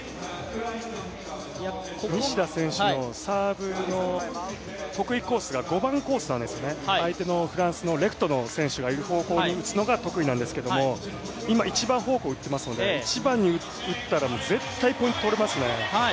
西田選手のサーブの得意コースが５番コースなんですね、相手のフランスのレフトの選手がいる方向に打つのが得意なんですけど今１番方向に打っていますので１番に打ったらもう絶対にポイント取れますね。